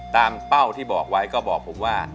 เป้าที่บอกไว้ก็บอกผมว่า